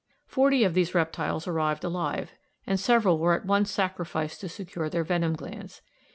Forty of these reptiles arrived alive, and several were at once sacrificed to secure their venom glands.